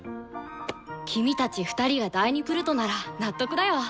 君たち２人が第２プルトなら納得だよ。